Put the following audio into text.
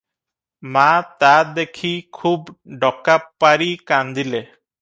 ମା ତା ଦେଖି ଖୁବ୍ ଡକା ପାରି କାନ୍ଦିଲେ ।